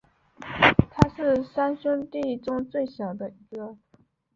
他是三兄弟中最小的一个。